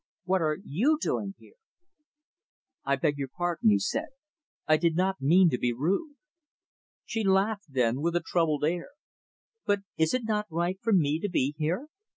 What are you doing here?" "I beg your pardon," he said. "I did not mean to be rude." She laughed, then, with a troubled air "But is it not right for me to be here?